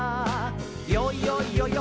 「よいよいよよい